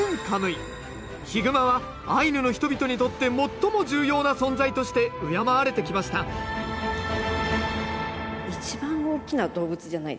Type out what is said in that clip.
ヒグマはアイヌの人々にとって最も重要な存在として敬われてきました一番大きな動物じゃないですか。